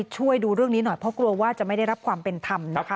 ช่วยดูเรื่องนี้หน่อยเพราะกลัวว่าจะไม่ได้รับความเป็นธรรมนะคะ